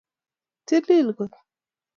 tilil koot